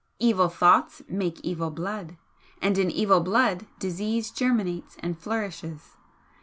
Evil thoughts make evil blood, and in evil blood disease germinates and flourishes.